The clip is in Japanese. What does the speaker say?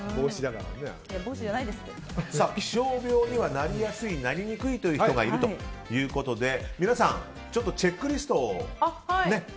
気象病にはなりやすい、なりにくい人がいるということで皆さん、チェックリストを。